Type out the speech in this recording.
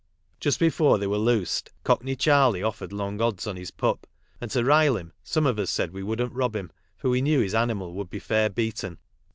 Just before they were loosed, Cockney Charley offered long odds on his pup ; and, to rile him, some of us said we wouldn't rob him for we knew his animal would be fair beaten.